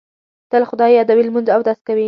تل خدای یادوي، لمونځ اودس کوي.